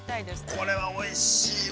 ◆これは、おいしいわ。